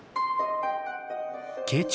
慶長